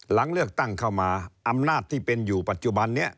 หลังเลือกตั้งเข้ามาอำนาจที่เป็นอยู่ปัจจุบันนี้